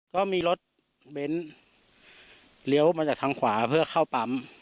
ก็มีรถเบนท์เลี้ยวมาจากทางขวาเพื่อเข้าปั๊ม